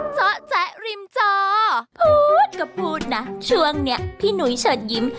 เจาะแจ๊ะริมจอพูดก็พูดนะช่วงนี้พี่หนุ้ยเฉิดยิ้ม